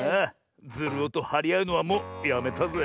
ズルオとはりあうのはもうやめたぜ。